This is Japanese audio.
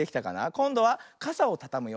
こんどはかさをたたむよ。